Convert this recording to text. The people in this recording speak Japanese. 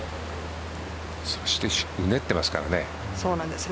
そして、うねってますからね。